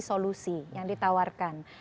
solusi yang ditawarkan